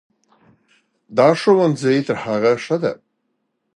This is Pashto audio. دا ښوونځی تر هغه ښه ده.